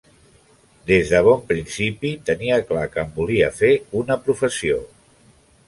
Des de bon principi tenia clar que en volia fer una professió.